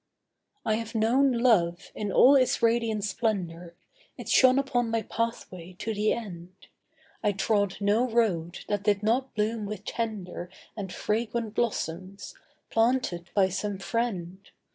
'I have known love, in all its radiant splendour, It shone upon my pathway to the end. I trod no road that did not bloom with tender And fragrant blossoms, planted by some friend.